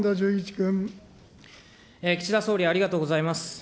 岸田総理、ありがとうございます。